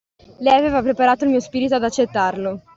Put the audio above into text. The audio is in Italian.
Lei aveva preparato il mio spirito ad accettarlo.